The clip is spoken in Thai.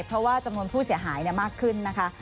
เพราะว่าจำนวนผู้เสียหายมากขึ้นนะคะ